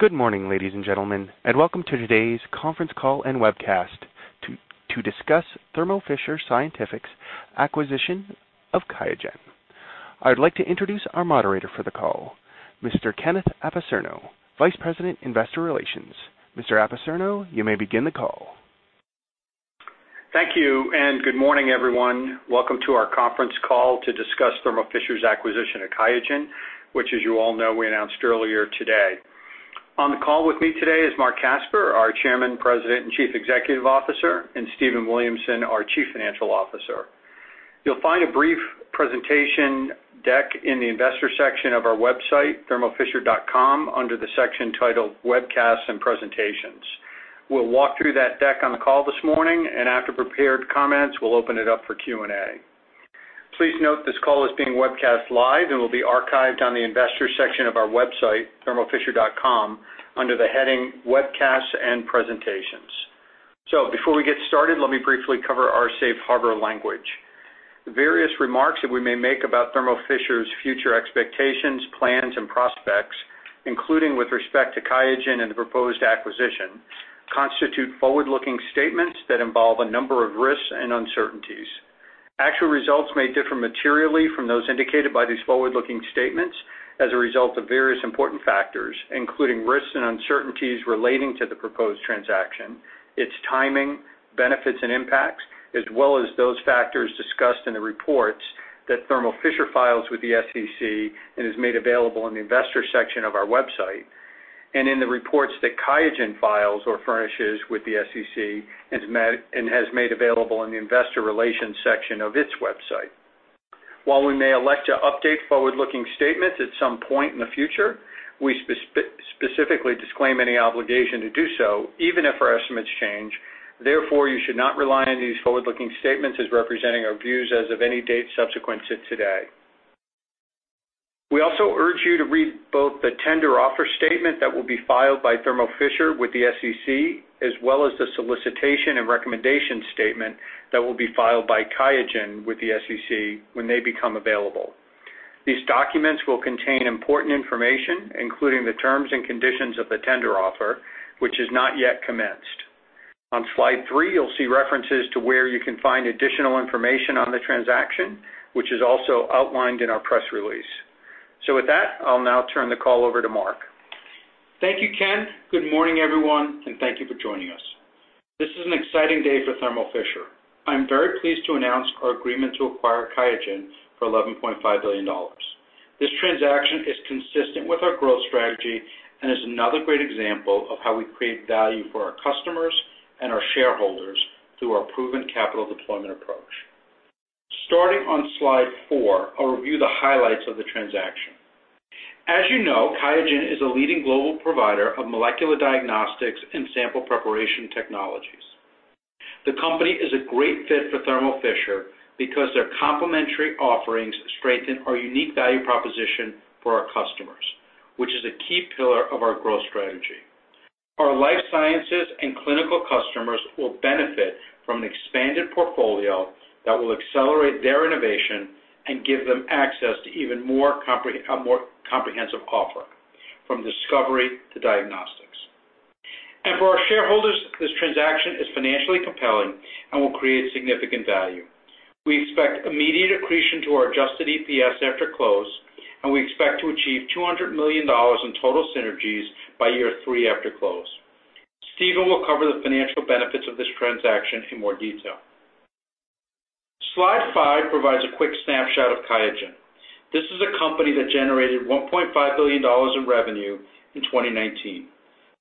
Good morning, ladies and gentlemen. Welcome to today's conference call and webcast to discuss Thermo Fisher Scientific's acquisition of QIAGEN. I'd like to introduce our moderator for the call, Mr. Ken Apicerno, Vice President, Investor Relations. Mr. Apicerno, you may begin the call. Thank you, good morning, everyone. Welcome to our conference call to discuss Thermo Fisher's acquisition of QIAGEN, which, as you all know, we announced earlier today. On the call with me today is Marc N Casper, our Chairman, President, and Chief Executive Officer, and Stephen Williamson, our Chief Financial Officer. You'll find a brief presentation deck in the investor section of our website, thermofisher.com, under the section titled Webcasts and Presentations. We'll walk through that deck on the call this morning, and after prepared comments, we'll open it up for Q&A. Please note this call is being webcast live and will be archived on the investor section of our website, thermofisher.com, under the heading Webcasts and Presentations. Before we get started, let me briefly cover our safe harbor language. The various remarks that we may make about Thermo Fisher's future expectations, plans, and prospects, including with respect to QIAGEN and the proposed acquisition, constitute forward-looking statements that involve a number of risks and uncertainties. Actual results may differ materially from those indicated by these forward-looking statements as a result of various important factors, including risks and uncertainties relating to the proposed transaction, its timing, benefits, and impacts, as well as those factors discussed in the reports that Thermo Fisher files with the SEC and has made available in the investor section of our website, and in the reports that QIAGEN files or furnishes with the SEC and has made available in the investor relations section of its website. While we may elect to update forward-looking statements at some point in the future, we specifically disclaim any obligation to do so, even if our estimates change. Therefore, you should not rely on these forward-looking statements as representing our views as of any date subsequent to today. We also urge you to read both the tender offer statement that will be filed by Thermo Fisher with the SEC, as well as the solicitation and recommendation statement that will be filed by QIAGEN with the SEC when they become available. These documents will contain important information, including the terms and conditions of the tender offer, which has not yet commenced. On slide three, you'll see references to where you can find additional information on the transaction, which is also outlined in our press release. With that, I'll now turn the call over to Marc. Thank you, Ken. Good morning, everyone, thank you for joining us. This is an exciting day for Thermo Fisher. I'm very pleased to announce our agreement to acquire QIAGEN for $11.5 billion. This transaction is consistent with our growth strategy and is another great example of how we create value for our customers and our shareholders through our proven capital deployment approach. Starting on slide four, I'll review the highlights of the transaction. As you know, QIAGEN is a leading global provider of molecular diagnostics and sample preparation technologies. The company is a great fit for Thermo Fisher because their complementary offerings strengthen our unique value proposition for our customers, which is a key pillar of our growth strategy. Our life sciences and clinical customers will benefit from an expanded portfolio that will accelerate their innovation and give them access to a more comprehensive offer, from discovery to diagnostics. For our shareholders, this transaction is financially compelling and will create significant value. We expect immediate accretion to our adjusted EPS after close, and we expect to achieve $200 million in total synergies by year three after close. Stephen will cover the financial benefits of this transaction in more detail. Slide five provides a quick snapshot of QIAGEN. This is a company that generated $1.5 billion in revenue in 2019.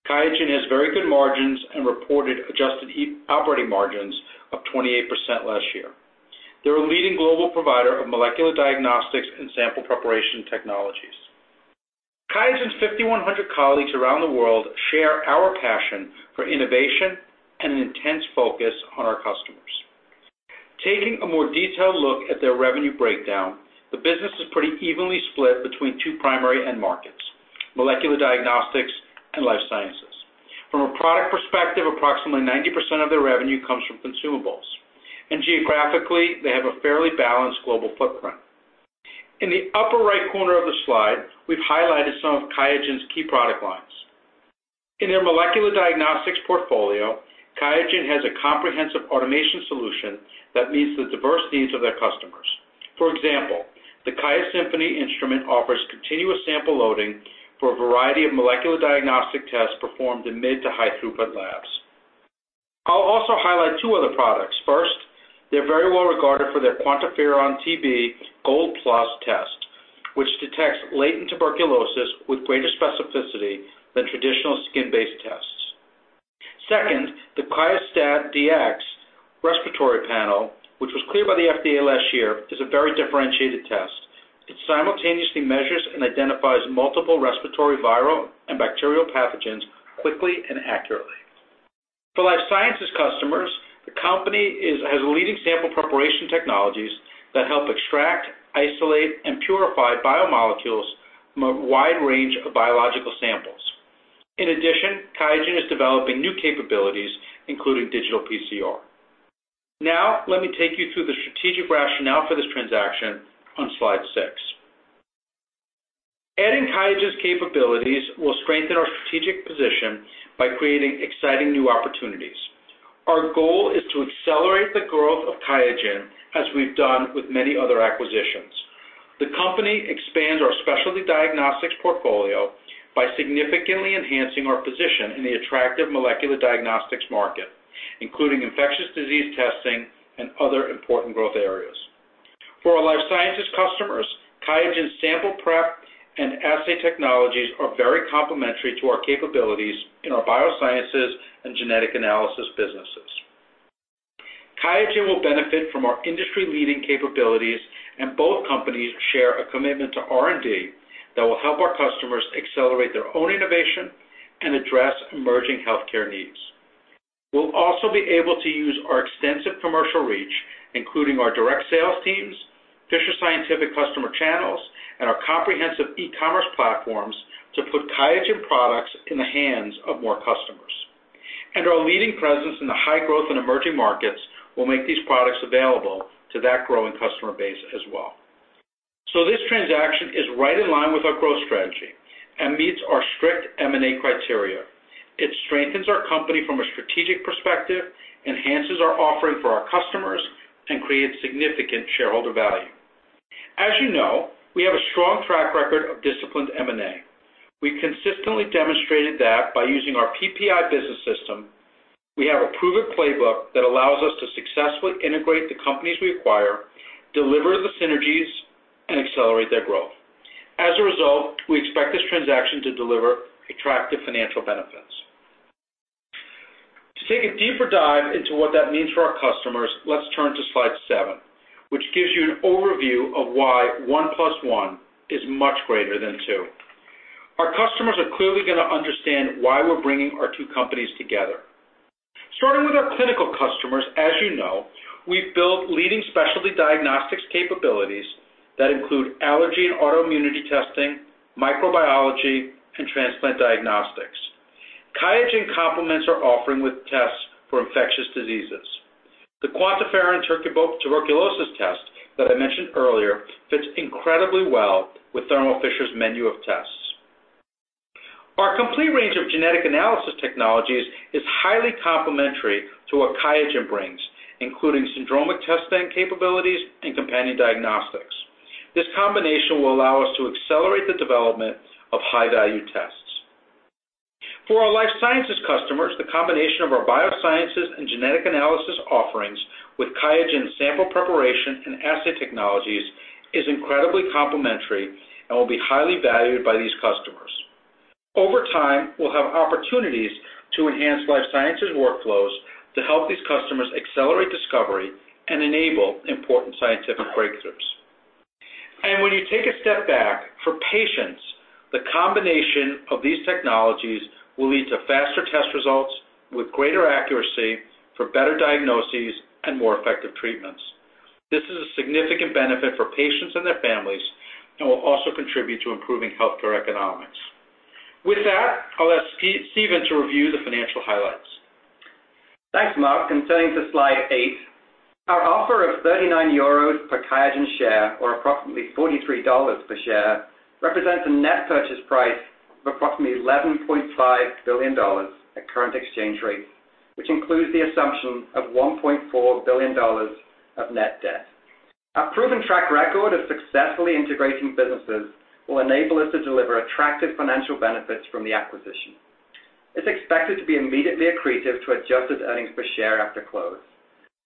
QIAGEN has very good margins and reported adjusted operating margins of 28% last year. They're a leading global provider of molecular diagnostics and sample preparation technologies. QIAGEN's 5,100 colleagues around the world share our passion for innovation and an intense focus on our customers. Taking a more detailed look at their revenue breakdown, the business is pretty evenly split between two primary end markets, molecular diagnostics and life sciences. From a product perspective, approximately 90% of their revenue comes from consumables. Geographically, they have a fairly balanced global footprint. In the upper right corner of the slide, we've highlighted some of QIAGEN's key product lines. In their molecular diagnostics portfolio, QIAGEN has a comprehensive automation solution that meets the diverse needs of their customers. For example, the QIAsymphony instrument offers continuous sample loading for a variety of molecular diagnostic tests performed in mid to high throughput labs. I'll also highlight two other products. First, they're very well regarded for their QuantiFERON-TB Gold Plus test, which detects latent tuberculosis with greater specificity than traditional skin-based tests. Second, the QIAstat-Dx respiratory panel, which was cleared by the FDA last year, is a very differentiated test. It simultaneously measures and identifies multiple respiratory viral and bacterial pathogens quickly and accurately. For life sciences customers, the company has leading sample preparation technologies that help extract, isolate, and purify biomolecules from a wide range of biological samples. QIAGEN is developing new capabilities, including digital PCR. Let me take you through the strategic rationale for this transaction on slide six. Adding QIAGEN's capabilities will strengthen our strategic position by creating exciting new opportunities. Our goal is to accelerate the growth of QIAGEN, as we've done with many other acquisitions. The company expands our specialty diagnostics portfolio by significantly enhancing our position in the attractive molecular diagnostics market, including infectious disease testing and other important growth areas. For our life sciences customers, QIAGEN's sample prep and assay technologies are very complementary to our capabilities in our biosciences and genetic analysis businesses. QIAGEN will benefit from our industry-leading capabilities. Both companies share a commitment to R&D that will help our customers accelerate their own innovation and address emerging healthcare needs. We'll also be able to use our extensive commercial reach, including our direct sales teams, Fisher Scientific customer channels, and our comprehensive e-commerce platforms to put QIAGEN products in the hands of more customers. Our leading presence in the high-growth and emerging markets will make these products available to that growing customer base as well. This transaction is right in line with our growth strategy and meets our strict M&A criteria. It strengthens our company from a strategic perspective, enhances our offering for our customers, and creates significant shareholder value. As you know, we have a strong track record of disciplined M&A. We've consistently demonstrated that by using our PPI business system, we have a proven playbook that allows us to successfully integrate the companies we acquire, deliver the synergies, and accelerate their growth. As a result, we expect this transaction to deliver attractive financial benefits. To take a deeper dive into what that means for our customers, let's turn to slide seven, which gives you an overview of why one plus one is much greater than two. Our customers are clearly going to understand why we're bringing our two companies together. Starting with our clinical customers, as you know, we've built leading specialty diagnostics capabilities that include allergy and autoimmunity testing, microbiology, and transplant diagnostics. QIAGEN complements our offering with tests for infectious diseases. The QuantiFERON tuberculosis test that I mentioned earlier fits incredibly well with Thermo Fisher's menu of tests. Our complete range of genetic analysis technologies is highly complementary to what QIAGEN brings, including syndromic testing capabilities and companion diagnostics. This combination will allow us to accelerate the development of high-value tests. For our life sciences customers, the combination of our biosciences and genetic analysis offerings with QIAGEN's sample preparation and assay technologies is incredibly complementary and will be highly valued by these customers. Over time, we'll have opportunities to enhance life sciences workflows to help these customers accelerate discovery and enable important scientific breakthroughs. When you take a step back, for patients, the combination of these technologies will lead to faster test results with greater accuracy for better diagnoses and more effective treatments. This is a significant benefit for patients and their families and will also contribute to improving healthcare economics. With that, I'll ask Stephen to review the financial highlights. Thanks, Marc. Turning to slide eight. Our offer of €39 per QIAGEN share, or approximately $43 per share, represents a net purchase price of approximately $11.5 billion at current exchange rates, which includes the assumption of $1.4 billion of net debt. Our proven track record of successfully integrating businesses will enable us to deliver attractive financial benefits from the acquisition. It's expected to be immediately accretive to adjusted earnings per share after close.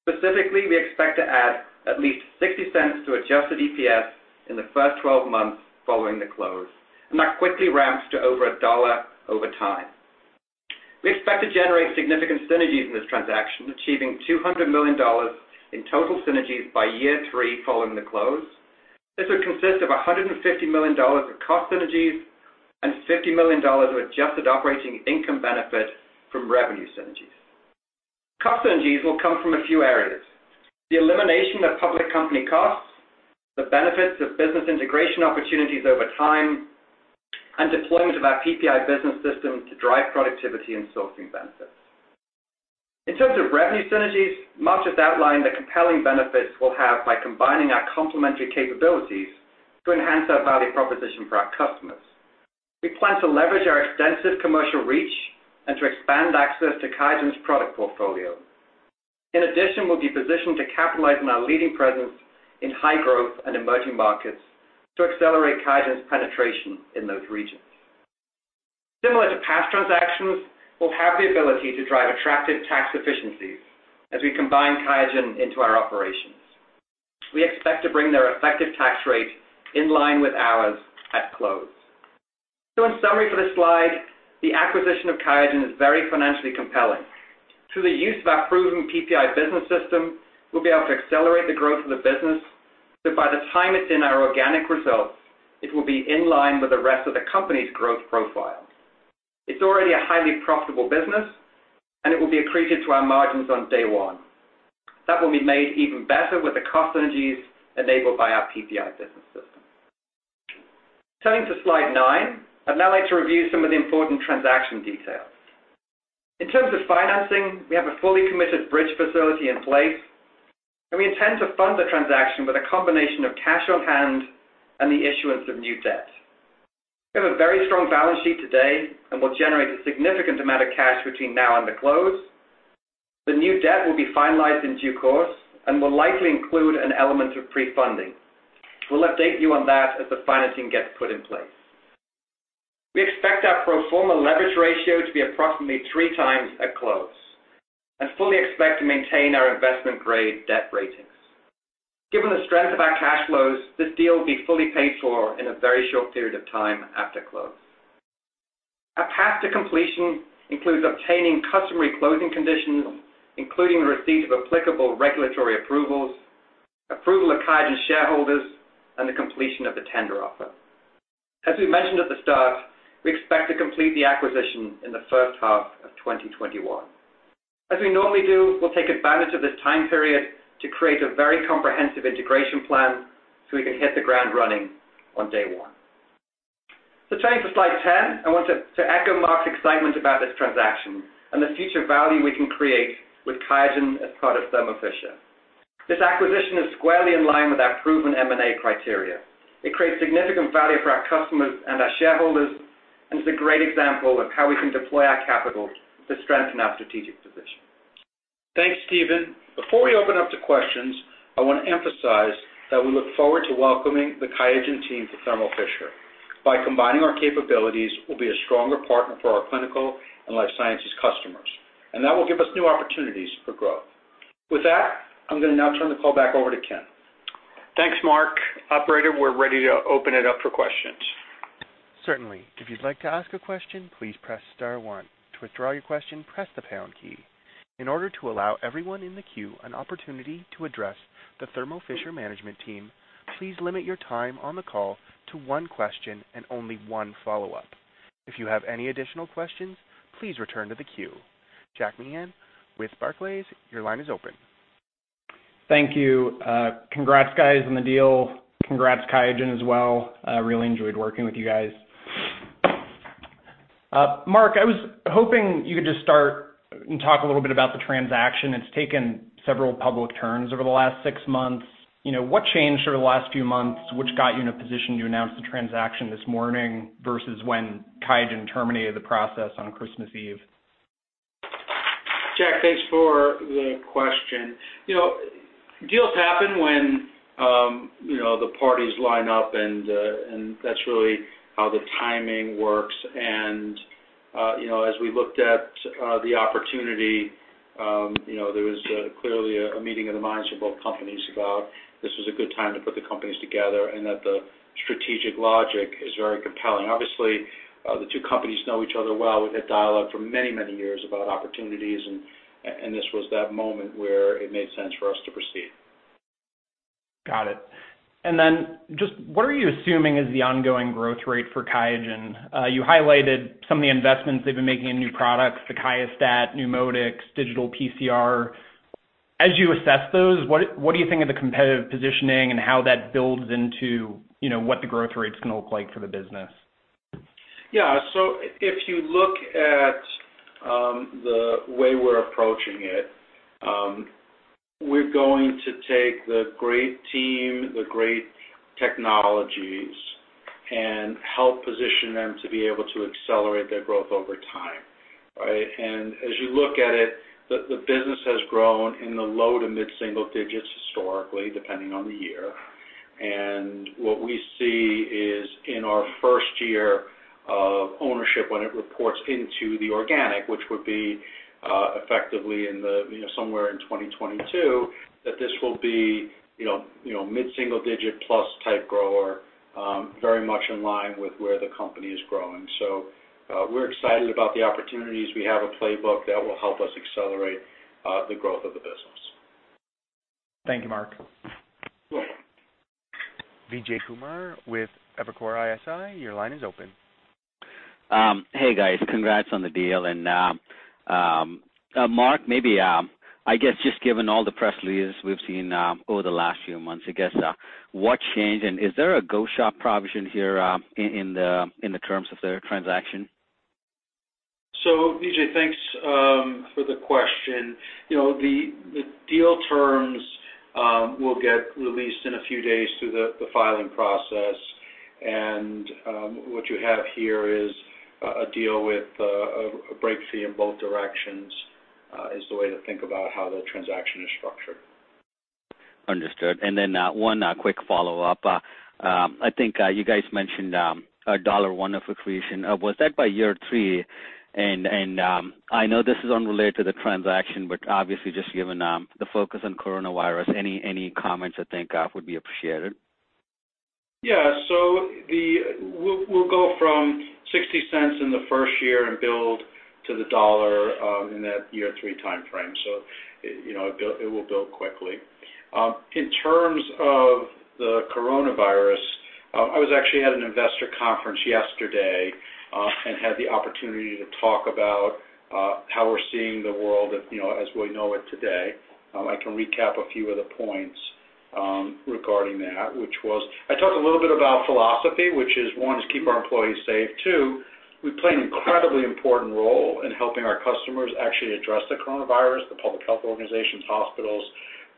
Specifically, we expect to add at least $0.60 to adjusted EPS in the first 12 months following the close, and that quickly ramps to over $1 over time. We expect to generate significant synergies in this transaction, achieving $200 million in total synergies by year three following the close. This would consist of $150 million in cost synergies and $50 million of adjusted operating income benefit from revenue synergies. Cost synergies will come from a few areas. The elimination of public company costs, the benefits of business integration opportunities over time, and deployment of our PPI business system to drive productivity and sourcing benefits. In terms of revenue synergies, Marc just outlined the compelling benefits we'll have by combining our complementary capabilities to enhance our value proposition for our customers. We plan to leverage our extensive commercial reach and to expand access to QIAGEN's product portfolio. In addition, we'll be positioned to capitalize on our leading presence in high-growth and emerging markets to accelerate QIAGEN's penetration in those regions. Similar to past transactions, we'll have the ability to drive attractive tax efficiencies as we combine QIAGEN into our operations. We expect to bring their effective tax rate in line with ours at close. In summary for this slide, the acquisition of QIAGEN is very financially compelling. Through the use of our proven PPI business system, we'll be able to accelerate the growth of the business. By the time it's in our organic results, it will be in line with the rest of the company's growth profile. It's already a highly profitable business. It will be accretive to our margins on day one. That will be made even better with the cost synergies enabled by our PPI business system. Turning to slide nine, I'd now like to review some of the important transaction details. In terms of financing, we have a fully committed bridge facility in place. We intend to fund the transaction with a combination of cash on hand and the issuance of new debt. We have a very strong balance sheet today. We will generate a significant amount of cash between now and the close. The new debt will be finalized in due course and will likely include an element of pre-funding. We'll update you on that as the financing gets put in place. We expect our pro forma leverage ratio to be approximately 3x at close, and fully expect to maintain our investment-grade debt ratings. Given the strength of our cash flows, this deal will be fully paid for in a very short period of time after close. Our path to completion includes obtaining customary closing conditions, including the receipt of applicable regulatory approvals, approval of QIAGEN shareholders, and the completion of the tender offer. As we mentioned at the start, we expect to complete the acquisition in the first half of 2021. As we normally do, we'll take advantage of this time period to create a very comprehensive integration plan so we can hit the ground running on day one. Turning to slide 10, I want to echo Marc's excitement about this transaction and the future value we can create with QIAGEN as part of Thermo Fisher. This acquisition is squarely in line with our proven M&A criteria. It creates significant value for our customers and our shareholders, and is a great example of how we can deploy our capital to strengthen our strategic position. Thanks, Stephen. Before we open up to questions, I want to emphasize that we look forward to welcoming the QIAGEN team to Thermo Fisher. By combining our capabilities, we'll be a stronger partner for our clinical and life sciences customers, and that will give us new opportunities for growth. With that, I'm going to now turn the call back over to Ken. Thanks, Marc. Operator, we're ready to open it up for questions. Certainly. If you'd like to ask a question, please press star one. To withdraw your question, press the pound key. In order to allow everyone in the queue an opportunity to address the Thermo Fisher management team, please limit your time on the call to one question and only one follow-up. If you have any additional questions, please return to the queue. Jack Meehan with Barclays, your line is open. Thank you. Congrats, guys, on the deal. Congrats, QIAGEN, as well. I really enjoyed working with you guys. Marc, I was hoping you could just start and talk a little bit about the transaction. It's taken several public turns over the last six months. What changed over the last few months which got you in a position to announce the transaction this morning versus when QIAGEN terminated the process on Christmas Eve? Jack, thanks for the question. Deals happen when the parties line up, and that's really how the timing works. As we looked at the opportunity, there was clearly a meeting of the minds for both companies about this was a good time to put the companies together and that the strategic logic is very compelling. Obviously, the two companies know each other well. We've had dialogue for many, many years about opportunities, and this was that moment where it made sense for us to proceed. Got it. Just what are you assuming is the ongoing growth rate for QIAGEN? You highlighted some of the investments they've been making in new products, the QIAstat, NeuMoDx, digital PCR. As you assess those, what do you think of the competitive positioning and how that builds into what the growth rate's going to look like for the business? Yeah. If you look at the way we are approaching it, we are going to take the great team, the great technologies, and help position them to be able to accelerate their growth over time. Right? As you look at it, the business has grown in the low- to mid-single digits historically, depending on the year. What we see is in our first year of ownership, when it reports into the organic, which would be effectively somewhere in 2022, that this will be mid-single digit plus type grower, very much in line with where the company is growing. We are excited about the opportunities. We have a playbook that will help us accelerate the growth of the business. Thank you, Marc. Sure. Vijay Kumar with Evercore ISI, your line is open. Hey, guys. Congrats on the deal. Marc, maybe, I guess just given all the press releases we've seen over the last few months, I guess what changed? Is there a go shop provision here in the terms of the transaction? Vijay, thanks for the question. The deal terms will get released in a few days through the filing process. What you have here is a deal with a break fee in both directions, is the way to think about how the transaction is structured. Understood. One quick follow-up. I think you guys mentioned $1 of accretion. Was that by year three? I know this is unrelated to the transaction, but obviously just given the focus on coronavirus, any comments, I think, would be appreciated. We'll go from $0.60 in the first year and build to $1 in that year three timeframe. In terms of the coronavirus, I was actually at an investor conference yesterday, and had the opportunity to talk about how we're seeing the world as we know it today. I can recap a few of the points regarding that, which was, I talked a little bit about philosophy, which is, one, is keep our employees safe. Two, we play an incredibly important role in helping our customers actually address the coronavirus, the public health organizations, hospitals,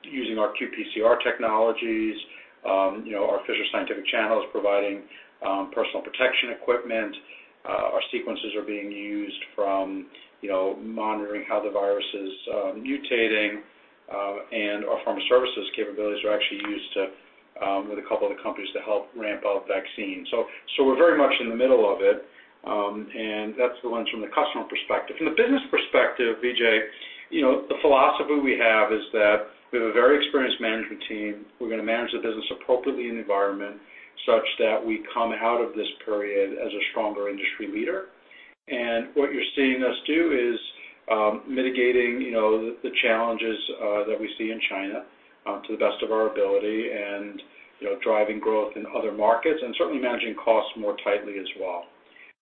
using our qPCR technologies. Our Fisher Scientific channel is providing personal protection equipment. Our sequencers are being used from monitoring how the virus is mutating, and our pharma services capabilities are actually used with a couple of the companies to help ramp out vaccines. We're very much in the middle of it, and that's the lens from the customer perspective. From the business perspective, Vijay, the philosophy we have is that we have a very experienced management team. We're going to manage the business appropriately in the environment such that we come out of this period as a stronger industry leader. What you're seeing us do is mitigating the challenges that we see in China, to the best of our ability, and driving growth in other markets, and certainly managing costs more tightly as well.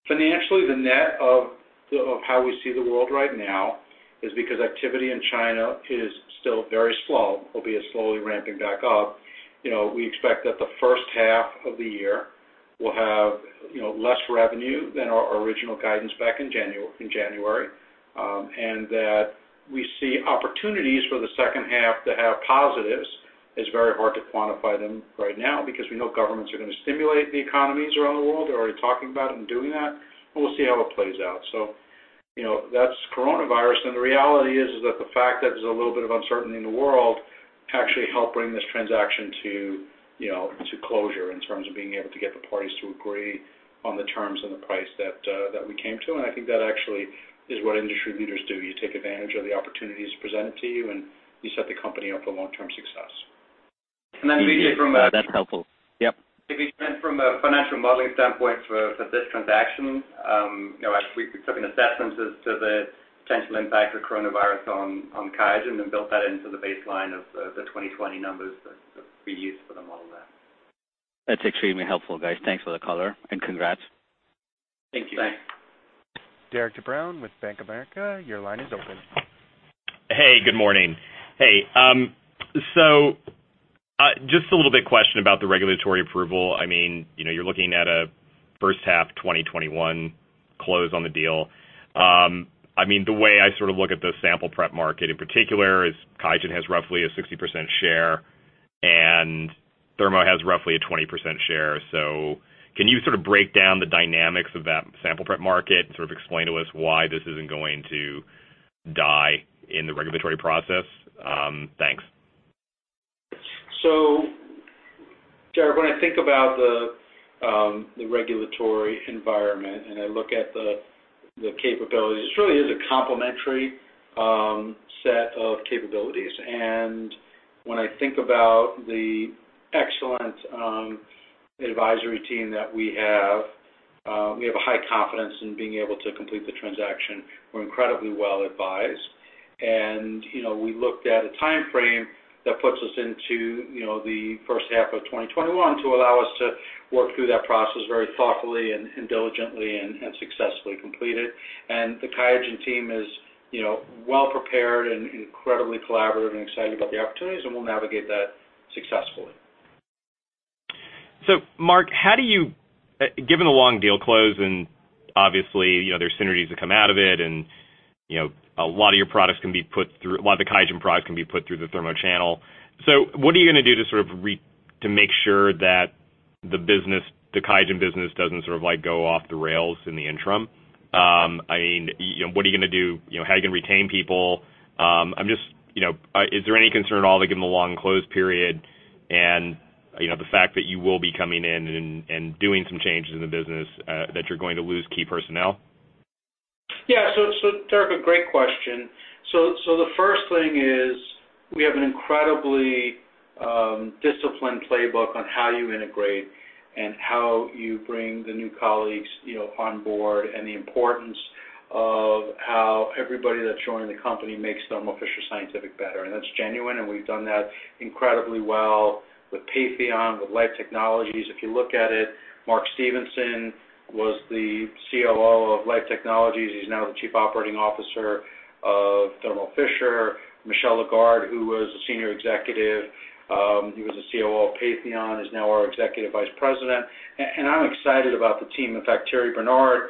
Financially, the net of how we see the world right now is because activity in China is still very slow, albeit slowly ramping back up. We expect that the first half of the year will have less revenue than our original guidance back in January, and that we see opportunities for the second half to have positives. It's very hard to quantify them right now because we know governments are going to stimulate the economies around the world. They're already talking about and doing that, we'll see how it plays out. That's coronavirus, and the reality is that the fact that there's a little bit of uncertainty in the world actually helped bring this transaction to closure in terms of being able to get the parties to agree on the terms and the price that we came to. I think that actually is what industry leaders do. You take advantage of the opportunities presented to you, and you set the company up for long-term success. Vijay from- Vijay, that's helpful. Yep. Vijay, from a financial modeling standpoint for this transaction, actually, we took an assessment as to the potential impact of coronavirus on QIAGEN and built that into the baseline of the 2020 numbers that we used for the model there. That's extremely helpful, guys. Thanks for the color and congrats. Thank you. Thanks. Derik de Bruin with Bank of America, your line is open. Hey, good morning. Hey, just a little bit question about the regulatory approval. You're looking at a first half 2021 close on the deal. The way I look at the sample prep market in particular is QIAGEN has roughly a 60% share and Thermo has roughly a 20% share. Can you break down the dynamics of that sample prep market and explain to us why this isn't going to die in the regulatory process? Thanks. Derik, when I think about the regulatory environment, and I look at the capabilities, this really is a complementary set of capabilities. When I think about the excellent advisory team that we have, we have a high confidence in being able to complete the transaction. We're incredibly well-advised. We looked at a timeframe that puts us into the first half of 2021 to allow us to work through that process very thoughtfully and diligently and successfully complete it. The QIAGEN team is well prepared and incredibly collaborative and excited about the opportunities, and we'll navigate that successfully. Marc, given the long deal close and obviously, there is synergies that come out of it and a lot of the QIAGEN products can be put through the Thermo channel. What are you going to do to make sure that the QIAGEN business doesn't go off the rails in the interim? What are you going to do, how are you going to retain people? Is there any concern at all, given the long close period and the fact that you will be coming in and doing some changes in the business, that you are going to lose key personnel? Yeah. Derik, a great question. The first thing is we have an incredibly disciplined playbook on how you integrate and how you bring the new colleagues on board and the importance of how everybody that's joining the company makes Thermo Fisher Scientific better, and that's genuine, and we've done that incredibly well with Patheon, with Life Technologies. If you look at it, Mark Stevenson was the COO of Life Technologies. He's now the chief operating officer of Thermo Fisher. Michel Lagarde, who was a senior executive, he was the COO of Patheon, is now our executive vice president. I'm excited about the team. In fact, Thierry Bernard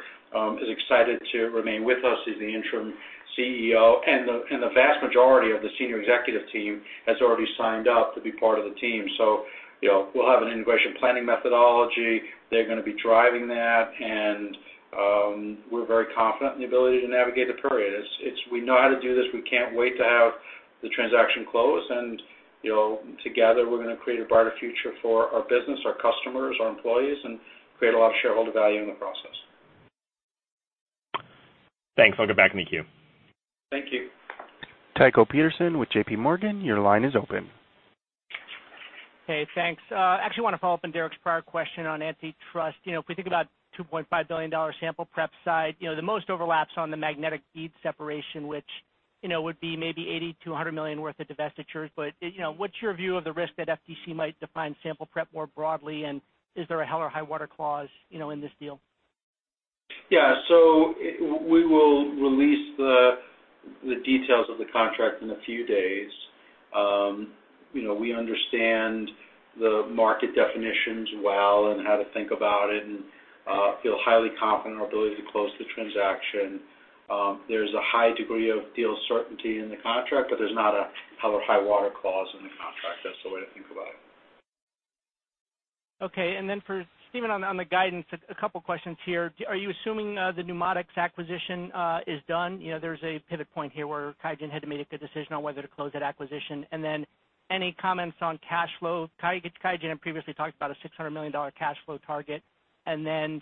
is excited to remain with us as the interim CEO, and the vast majority of the senior executive team has already signed up to be part of the team. We'll have an integration planning methodology. They're going to be driving that, and we're very confident in the ability to navigate the period. We know how to do this. We can't wait to have the transaction close, and together we're going to create a brighter future for our business, our customers, our employees, and create a lot of shareholder value in the process. Thanks. I'll get back in the queue. Thank you. Tycho Peterson with J.P. Morgan, your line is open. Hey, thanks. Actually, I want to follow up on Derik's prior question on antitrust. If we think about $2.5 billion sample prep side, the most overlaps on the magnetic bead separation, which would be maybe $80 million-$100 million worth of divestitures. What's your view of the risk that FTC might define sample prep more broadly? Is there a hell or high water clause in this deal? Yeah. We will release the details of the contract in a few days. We understand the market definitions well and how to think about it, and feel highly confident in our ability to close the transaction. There's a high degree of deal certainty in the contract, but there's not a hell or high water clause in the contract. That's the way to think about it. Okay. for Stephen, on the guidance, a couple of questions here. Are you assuming the NeuMoDx acquisition is done? There's a pivot point here where QIAGEN had to make a decision on whether to close that acquisition. Any comments on cash flow? QIAGEN had previously talked about a $600 million cash flow target. How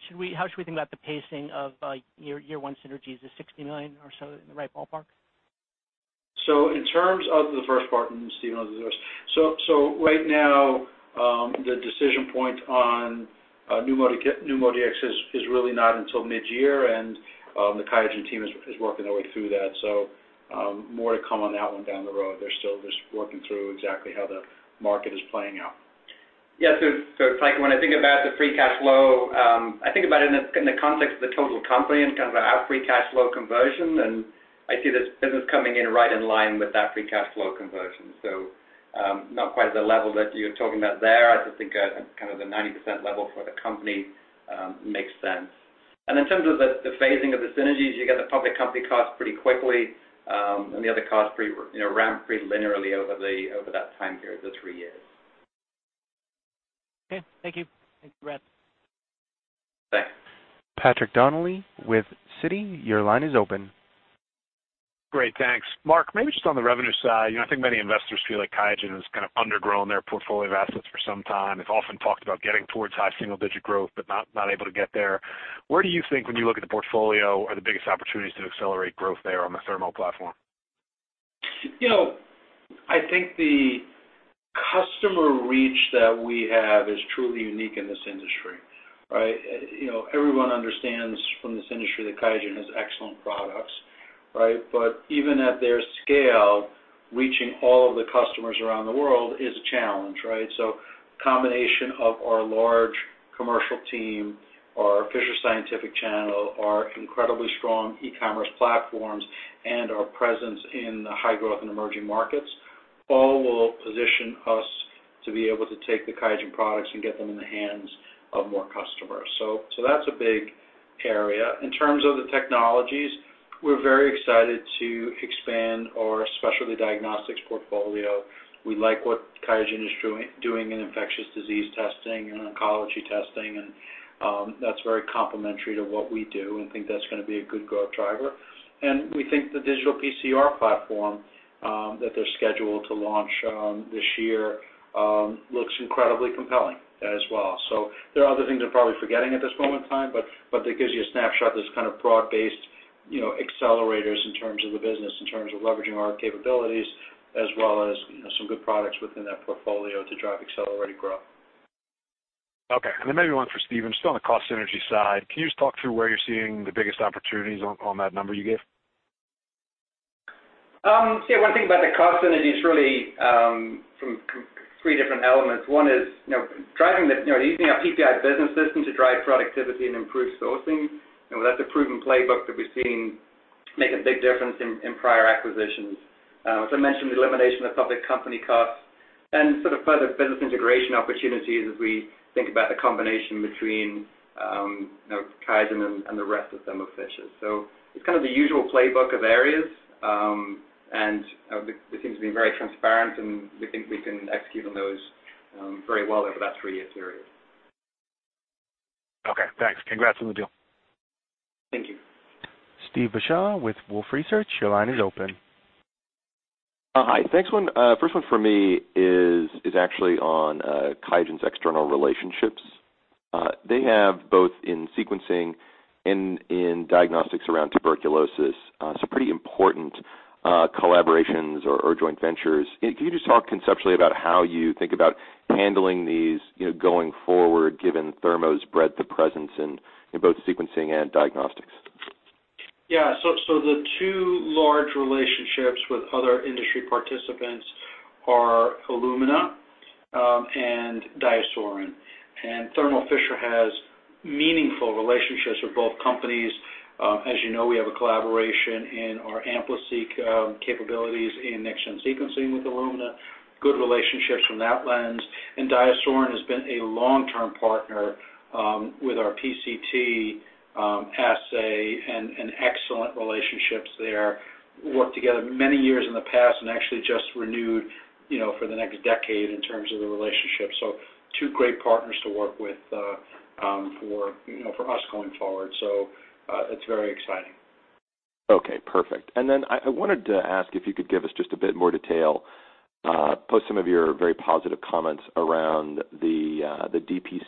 should we think about the pacing of year one synergies, the $60 million or so in the right ballpark? In terms of the first part, and then Stephen on the rest. Right now, the decision point on NeuMoDx is really not until mid-year, and the QIAGEN team is working their way through that. More to come on that one down the road. They're still just working through exactly how the market is playing out. Tycho, when I think about the free cash flow, I think about it in the context of the total company in terms of our free cash flow conversion, and I see this business coming in right in line with that free cash flow conversion. Not quite at the level that you're talking about there. I just think at kind of the 90% level for the company makes sense. In terms of the phasing of the synergies, you get the public company costs pretty quickly, and the other costs ramp pretty linearly over that time period of the three years. Okay. Thank you. Thank you, Brad. Thanks. Patrick Donnelly with Citi, your line is open. Great, thanks. Marc, maybe just on the revenue side, I think many investors feel like QIAGEN has kind of undergrown their portfolio of assets for some time. They've often talked about getting towards high single-digit growth, but not able to get there. Where do you think, when you look at the portfolio, are the biggest opportunities to accelerate growth there on the Thermo platform? I think the customer reach that we have is truly unique in this industry, right? Everyone understands from this industry that QIAGEN has excellent products, right? Even at their scale, reaching all of the customers around the world is a challenge, right? Combination of our large commercial team, our Fisher Scientific channel, our incredibly strong e-commerce platforms, and our presence in the high-growth and emerging markets, all will position us to be able to take the QIAGEN products and get them in the hands of more customers. That's a big area. In terms of the technologies, we're very excited to expand our specialty diagnostics portfolio. We like what QIAGEN is doing in infectious disease testing and oncology testing, and that's very complementary to what we do and think that's going to be a good growth driver. We think the digital PCR platform, that they're scheduled to launch this year, looks incredibly compelling as well. There are other things I'm probably forgetting at this moment in time, but that gives you a snapshot that's kind of broad-based accelerators in terms of the business, in terms of leveraging our capabilities as well as some good products within that portfolio to drive accelerated growth. Okay. Maybe one for Stephen. Still on the cost synergy side, can you just talk through where you're seeing the biggest opportunities on that number you gave? One thing about the cost synergies really, from three different elements. One is using our PPI Business System to drive productivity and improve sourcing. That's a proven playbook that we've seen make a big difference in prior acquisitions. As I mentioned, the elimination of public company costs and sort of further business integration opportunities as we think about the combination between QIAGEN and the rest of Thermo Fisher. It's the usual playbook of areas, and we think to be very transparent, and we think we can execute on those very well over that three-year period. Okay, thanks. Congrats on the deal. Thank you. Steve Beuchaw with Wolfe Research, your line is open. Hi. First one for me is actually on QIAGEN's external relationships. They have both in sequencing and in diagnostics around tuberculosis, some pretty important collaborations or joint ventures. Can you just talk conceptually about how you think about handling these going forward, given Thermo's breadth of presence in both sequencing and diagnostics? Yeah. The two large relationships with other industry participants are Illumina and DiaSorin. Thermo Fisher has meaningful relationships with both companies. As you know, we have a collaboration in our AmpliSeq capabilities in next-gen sequencing with Illumina, good relationships from that lens. DiaSorin has been a long-term partner with our PCT assay and excellent relationships there. Worked together many years in the past and actually just renewed for the next decade in terms of the relationship. Two great partners to work with for us going forward. It's very exciting. Okay, perfect. I wanted to ask if you could give us just a bit more detail, post some of your very positive comments around the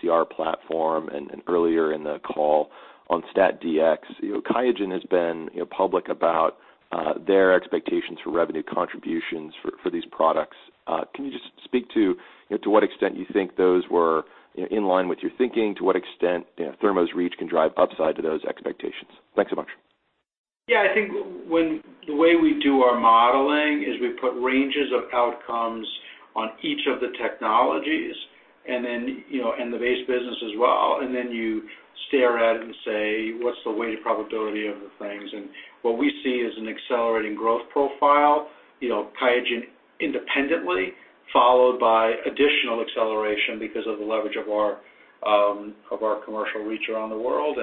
dPCR platform and earlier in the call on QIAstat-Dx. QIAGEN has been public about their expectations for revenue contributions for these products. Can you just speak to what extent you think those were in line with your thinking, to what extent Thermo's reach can drive upside to those expectations? Thanks so much. Yeah, I think the way we do our modeling is we put ranges of outcomes on each of the technologies, and the base business as well, and then you stare at it and say, "What's the weighted probability of the things?" What we see is an accelerating growth profile, QIAGEN independently, followed by additional acceleration because of the leverage of our commercial reach around the world.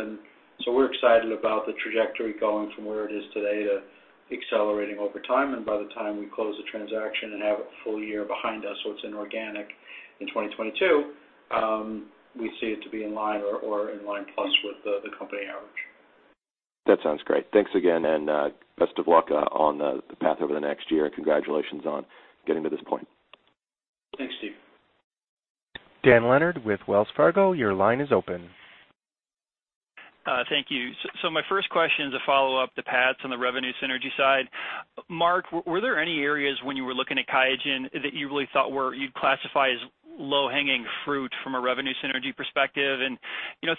We're excited about the trajectory going from where it is today to accelerating over time. By the time we close the transaction and have a full year behind us so it's inorganic in 2022, we see it to be in line or in line plus with the company average. That sounds great. Thanks again, best of luck on the path over the next year. Congratulations on getting to this point. Thanks, Steve. Dan Leonard with Wells Fargo, your line is open. Thank you. My first question is a follow-up to Pat's on the revenue synergy side. Marc, were there any areas when you were looking at QIAGEN that you really thought you'd classify as low-hanging fruit from a revenue synergy perspective?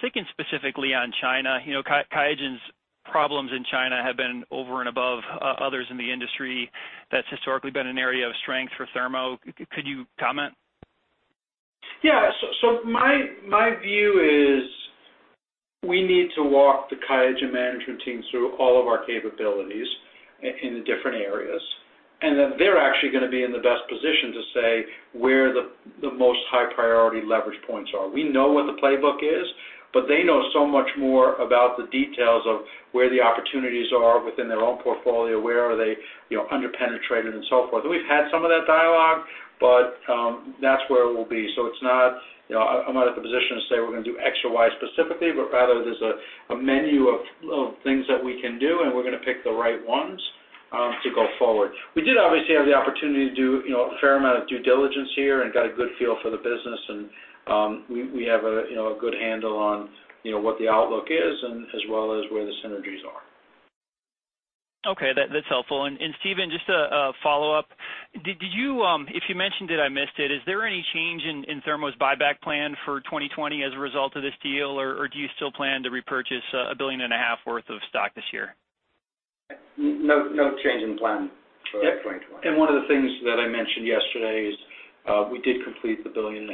Thinking specifically on China, QIAGEN's problems in China have been over and above others in the industry. That's historically been an area of strength for Thermo. Could you comment? Yeah. My view is we need to walk the QIAGEN management team through all of our capabilities in the different areas, and that they're actually going to be in the best position to say where the most high-priority leverage points are. We know what the playbook is, but they know so much more about the details of where the opportunities are within their own portfolio, where are they under-penetrated, and so forth. We've had some of that dialogue, but that's where it will be. I'm not at the position to say we're going to do X or Y specifically, but rather, there's a menu of things that we can do, and we're going to pick the right ones to go forward. We did obviously have the opportunity to do a fair amount of due diligence here and got a good feel for the business, and we have a good handle on what the outlook is and as well as where the synergies are. Okay. That's helpful. Stephen, just a follow-up. If you mentioned it, I missed it. Is there any change in Thermo's buyback plan for 2020 as a result of this deal, or do you still plan to repurchase $1.5 biliion Worth of stock this year? No change in plan for 2020. One of the things that I mentioned yesterday is we did complete the $1.5 billion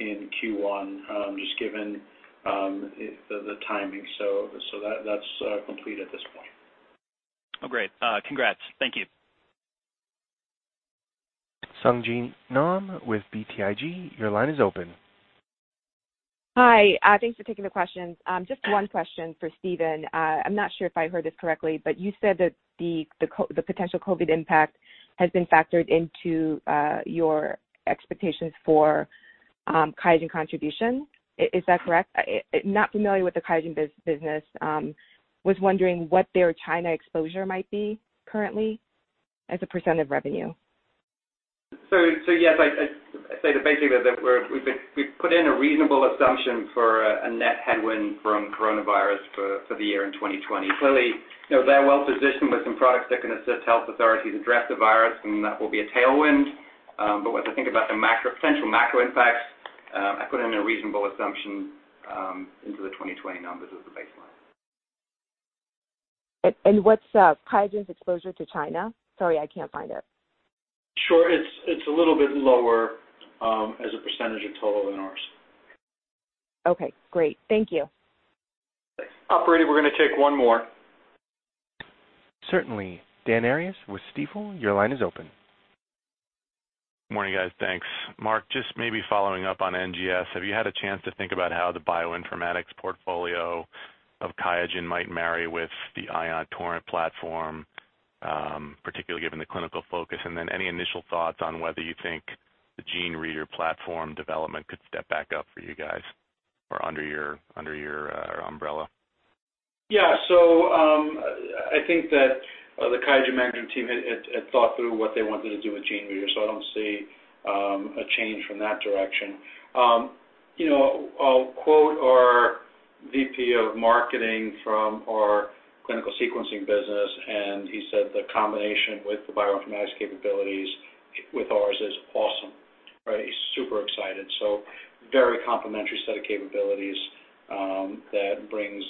in Q1, just given the timing. That's complete at this point. Oh, great. Congrats. Thank you. Sung Ji Nam with BTIG, your line is open. Hi. Thanks for taking the questions. Just one question for Stephen. I'm not sure if I heard this correctly, but you said that the potential COVID impact has been factored into your expectations for QIAGEN contribution. Is that correct? Not familiar with the QIAGEN business. Was wondering what their China exposure might be currently as a percentage of revenue. Yes. I say that basically that we've put in a reasonable assumption for a net headwind from coronavirus for the year in 2020. Clearly, they're well positioned with some products that can assist health authorities address the virus, and that will be a tailwind. When I think about the potential macro impacts, I put in a reasonable assumption into the 2020 numbers as a baseline. What's QIAGEN's exposure to China? Sorry, I can't find it. Sure. It's a little bit lower, as a percentage of total, than ours. Okay, great. Thank you. Thanks. Operator, we're going to take one more. Certainly. Dan Arias with Stifel, your line is open. Morning, guys. Thanks. Marc, just maybe following up on NGS, have you had a chance to think about how the bioinformatics portfolio of QIAGEN might marry with the Ion Torrent platform, particularly given the clinical focus? Any initial thoughts on whether you think the GeneReader platform development could step back up for you guys or under your umbrella? Yeah. I think that the QIAGEN management team had thought through what they wanted to do with GeneReader, so I don't see a change from that direction. I'll quote our VP of marketing from our clinical sequencing business, he said the combination with the bioinformatics capabilities with ours is awesome, right? He's super excited. Very complementary set of capabilities that brings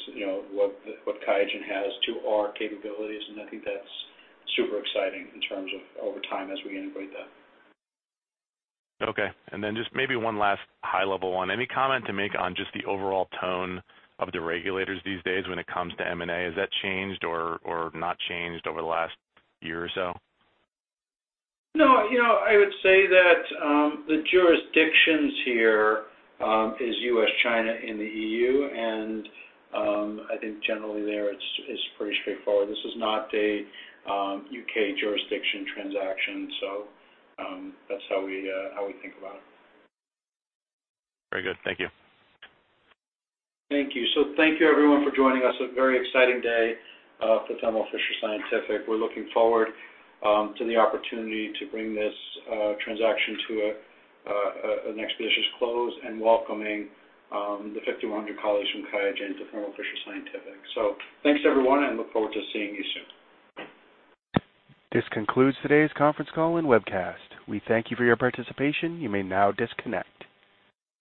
what QIAGEN has to our capabilities, I think that's super exciting in terms of over time as we integrate that. Okay. Just maybe one last high-level one. Any comment to make on just the overall tone of the regulators these days when it comes to M&A? Has that changed or not changed over the last year or so? No. I would say that the jurisdictions here is U.S., China, and the EU, and I think generally there it's pretty straightforward. This is not a U.K. jurisdiction transaction. That's how we think about it. Very good. Thank you. Thank you. Thank you, everyone, for joining us. A very exciting day for Thermo Fisher Scientific. We're looking forward to the opportunity to bring this transaction to an expeditious close and welcoming the 5,100 colleagues from QIAGEN to Thermo Fisher Scientific. Thanks, everyone, and look forward to seeing you soon. This concludes today's conference call and webcast. We thank you for your participation. You may now disconnect.